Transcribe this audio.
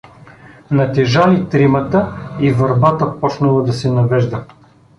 Натежали тримата и върбата почнала да се навежда.